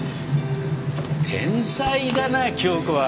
天才だな京子は。